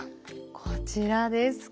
こちらですか。